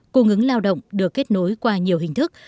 cung ứng lao động được kết nối qua nhiều hình thức